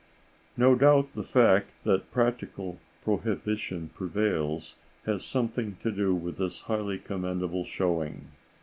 No doubt the fact that practical prohibition prevails has something to do with this highly commendable showing.